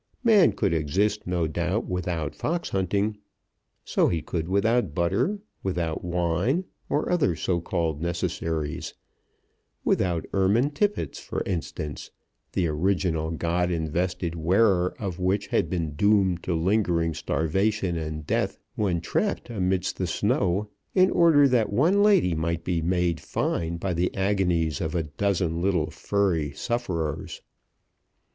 Man could exist no doubt without fox hunting. So he could without butter, without wine, or other so called necessaries; without ermine tippets, for instance, the original God invested wearer of which had been doomed to lingering starvation and death when trapped amidst the snow, in order that one lady might be made fine by the agonies of a dozen little furry sufferers.